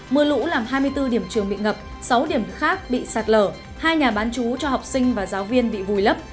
mưa lũ làm hai mươi bốn điểm trường bị ngập sáu điểm khác bị sạt lở hai nhà bán chú cho học sinh và giáo viên bị vùi lấp